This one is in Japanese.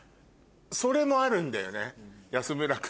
それもあるんだよね。